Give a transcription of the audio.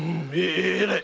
えらい！